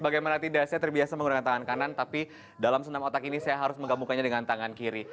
bagaimana tidak saya terbiasa menggunakan tangan kanan tapi dalam senam otak ini saya harus menggabungkannya dengan tangan kiri